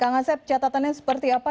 kak ngasep catatannya seperti apa